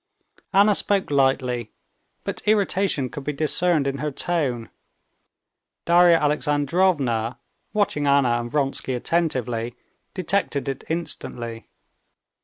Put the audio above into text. Anna spoke lightly, but irritation could be discerned in her tone. Darya Alexandrovna, watching Anna and Vronsky attentively, detected it instantly.